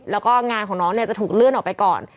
แล้วก็งานของน้องเนี่ยจะถูกเลื่อนออกไปก่อน